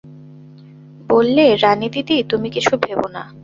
বললে, রানীদিদি, তুমি কিছু ভেবো না।